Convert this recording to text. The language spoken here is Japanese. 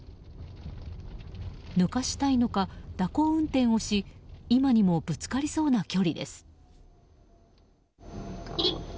抜かしたいのか蛇行運転をし今にもぶつかりそうな距離です。